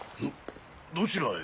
どちらへ？